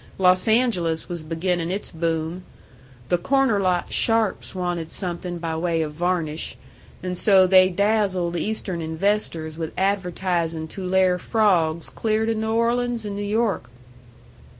Los Angeles was beginnin' its boom. The corner lot sharps wanted something by way of varnish. An' so they dazzled Eastern investors with advertisin' Tulare frawgs clear to New Orleans an' New York.